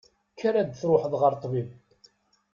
Kker ad truḥeḍ ɣer ṭṭbib.